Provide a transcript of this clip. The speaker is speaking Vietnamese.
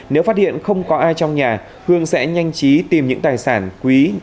nếu phát hiện không có ai trong nhà hương sẽ nhanh chí tìm những tài sản quý